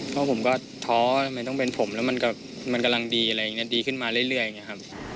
เพราะผมก็ท้อทำไมต้องเป็นผมแล้วมันกำลังดีอะไรอย่างนี้ดีขึ้นมาเรื่อยอย่างนี้ครับ